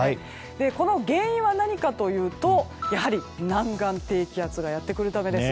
この原因は何かというとやはり南岸低気圧がやってくるためです。